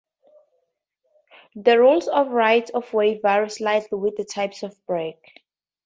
The rules of right of way vary slightly with the type of break.